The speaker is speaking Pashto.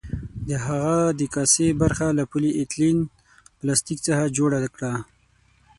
د هغه د کاسې برخه له پولي ایتلین پلاستیک څخه جوړه کړه.